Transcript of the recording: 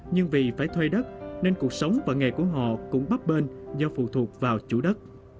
nhưng vì phải thuê đất nên cuộc sống và nghề của họ cũng bắp bên do phụ thuộc vào chủ đất